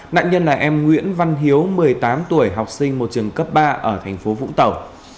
nạn nhân là em nguyễn văn hiếu một mươi tám tuổi học sinh một trường cấp ba ở thành phố vũng tàu